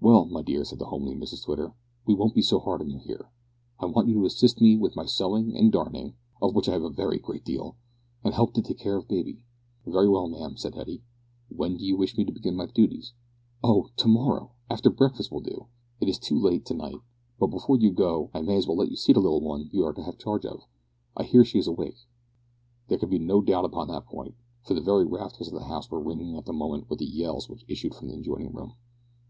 "Well, my dear," said the homely Mrs Twitter, "we won't be so hard on you here. I want you to assist me with my sewing and darning of which I have a very great deal and help to take care of baby." "Very well, ma'am," said Hetty, "when do you wish me to begin my duties?" "Oh! to morrow after breakfast will do. It is too late to night. But before you go, I may as well let you see the little one you are to have charge of. I hear she is awake." There could be no doubt upon that point, for the very rafters of the house were ringing at the moment with the yells which issued from an adjoining room.